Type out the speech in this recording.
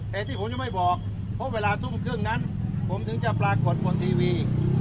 แต่ที่ผมยังไม่บอกเพราะเวลาทุ่มครึ่งนั้นผมถึงจะปรากฏบนทีวี